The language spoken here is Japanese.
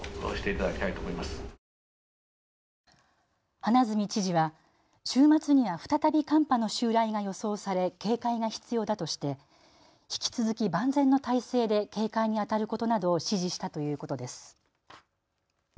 花角知事は週末には再び寒波の襲来が予想され警戒が必要だとして引き続き万全の体制で警戒にあたることなどを指示したということです。